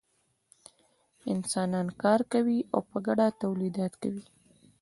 انسانان کار کوي او په ګډه تولیدات کوي.